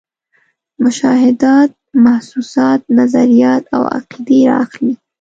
مشاهدات، محسوسات، نظریات او عقیدې را اخلي.